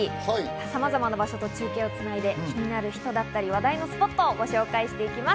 さまざまな場所と中継をつないで気になる人や話題のスポットをご紹介していきます。